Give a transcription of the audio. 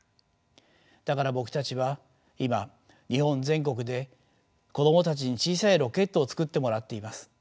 だから僕たちは今日本全国で子どもたちに小さいロケットを作ってもらっています。